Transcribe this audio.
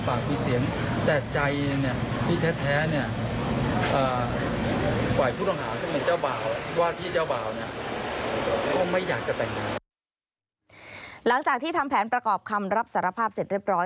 หลังจากที่ทำแผนทำแผนประกอบคำรับสารภาพเสร็จเรียบร้อย